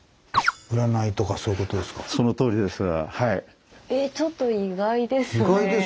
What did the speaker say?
そのとおりです。